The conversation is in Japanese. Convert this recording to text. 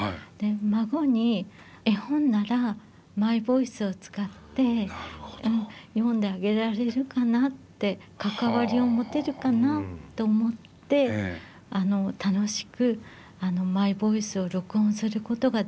孫に絵本ならマイボイスを使って読んであげられるかなって関わりを持てるかなと思ってあの楽しくマイボイスを録音することができました。